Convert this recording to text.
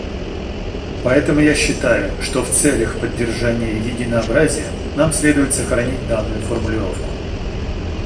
Поэтому я считаю, что в целях поддержания единообразия нам следует сохранить данную формулировку.